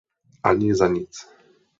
Ani za nic!